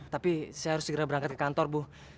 tapi saya harus segera berangkat ke kantor bu